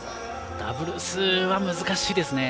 ダブルスは難しいですね。